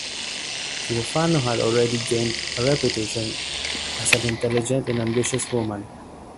Theophano had already gained a reputation as an intelligent and ambitious woman.